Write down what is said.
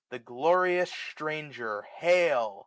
The glorious stranger hail.